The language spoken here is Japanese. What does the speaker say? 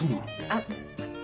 あっ。